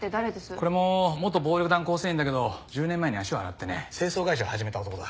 これも元暴力団構成員だけど１０年前に足を洗ってね清掃会社を始めた男だ。